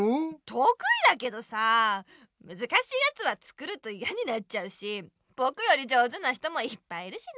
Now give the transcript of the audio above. とくいだけどさあむずかしいやつは作るとイヤになっちゃうしぼくより上手な人もいっぱいいるしね。